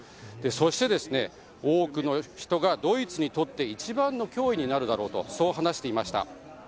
そして、多くの人がドイツにとって一番の脅威になるだろうとそう話していました。